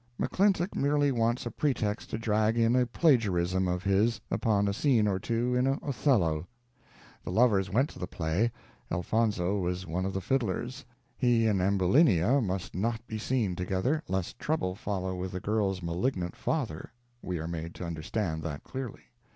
McClintock merely wants a pretext to drag in a plagiarism of his upon a scene or two in "Othello." The lovers went to the play. Elfonzo was one of the fiddlers. He and Ambulinia must not be seen together, lest trouble follow with the girl's malignant father; we are made to understand that clearly.